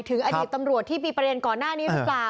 อดีตตำรวจที่มีประเด็นก่อนหน้านี้หรือเปล่า